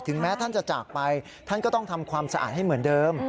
แม้ท่านจะจากไปท่านก็ต้องทำความสะอาดให้เหมือนเดิม